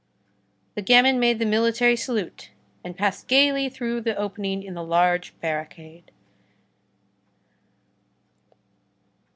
The gamin made the military salute and passed gayly through the opening in the large barricade.